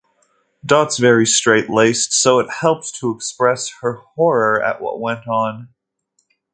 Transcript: Dot's very straight-laced, so it helped to express her horror at what went on.